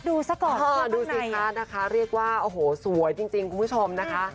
ดูสะกอดคู่ฝั่งในนะคะฮะดูสิคะเรียกว่าโอ้โหสวยจริงคุณผู้ชมนะคะ